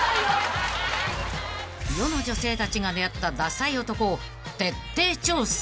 ［世の女性たちが出会ったダサい男を徹底調査］